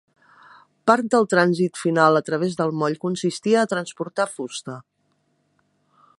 Part del trànsit final a través del moll consistia a transportar fusta.